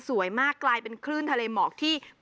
สุดยอดน้ำมันเครื่องจากญี่ปุ่น